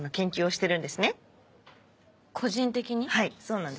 はいそうなんです。